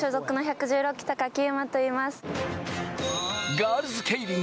ガールズケイリン